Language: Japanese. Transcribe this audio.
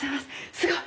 すごい！